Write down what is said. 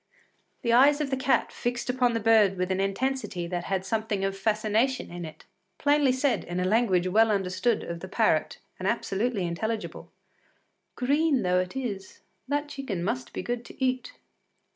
The eyes of the cat, fixed upon the bird with an intensity that had something of fascination in it, plainly said in a language well understood of the parrot and absolutely intelligible: “Green though it is, that chicken must be good to eat.